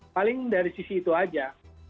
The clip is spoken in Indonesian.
paling dari sisi itu aja